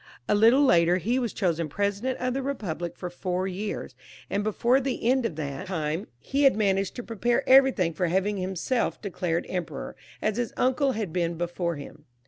A little later he was chosen President of the KepubUc for four years, and before the end of that time he had managed to prepare everything for having himself declared Emperor, as his uncle had been before him.